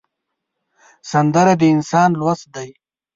سندره د احساس لوست دی